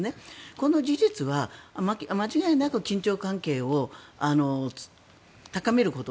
この事実は間違いなく緊張関係を高めること。